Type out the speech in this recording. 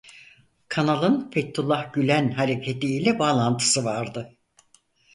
Kanalın Fethullah Gülen hareketi ile bağlantısı vardı.